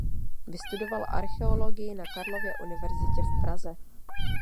Vystudoval archeologii na Karlově univerzitě v Praze.